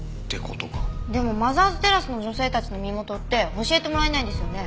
でもマザーズテラスの女性たちの身元って教えてもらえないんですよね？